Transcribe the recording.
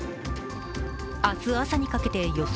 明日朝にかけて予想